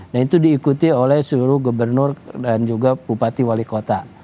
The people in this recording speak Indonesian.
nah itu diikuti oleh seluruh gubernur dan juga bupati wali kota